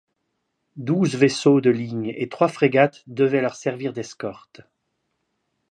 Douze vaisseaux de ligne et trois frégates devaient leur servir d'escorte.